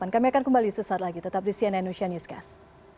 kami akan kembali sesaat lagi tetap di cnn newscast